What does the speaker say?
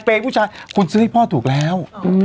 เป็นผู้ชายคุณซื้อให้พ่อถูกแล้ว